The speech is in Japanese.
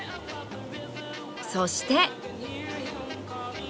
そして。